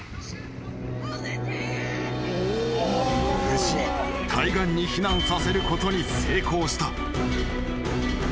［無事対岸に避難させることに成功した］